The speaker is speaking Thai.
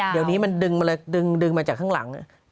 เดี๋ยวนี้มันดึงมาจากข้างหลัง